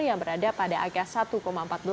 yang berada pada angka satu empat belas